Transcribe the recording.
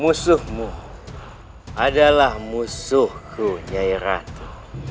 musuhmu adalah musuhku nyai ratu